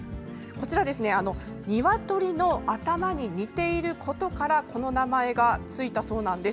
鶏の頭に似ていることからこの名前がついたそうなんです。